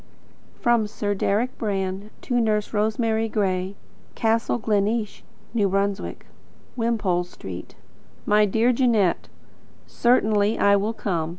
From Sir Deryck Brand to Nurse Rosemary Gray, Castle Gleneesh, N. B. Wimpole Street. My dear Jeanette: Certainly I will come.